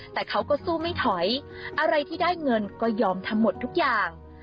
แต่เขาก็สู้ไม่ถอยอะไรที่ได้เงินก็ยอมทำหมดทุกอย่าง